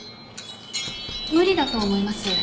無理だと思います。